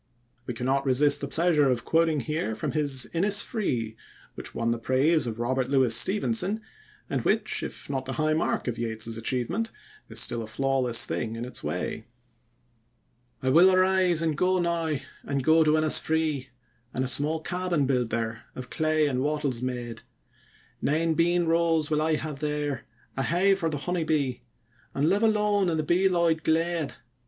We cannot resist the pleasure of quoting here from his "Innisfree", which won the praise of Robert Louis Stevenson, and which, if not the high mark of Yeats's achievement, is still a flawless thing in its way: I will arise and go now, and go to Innisfree, And a small cabin build there, of clay and wattles made; Nine bean rows will I have there, a hive for the honey bee, And live alone in the bee loud glade.